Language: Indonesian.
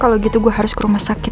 kalau gitu gue harus ke rumah sakit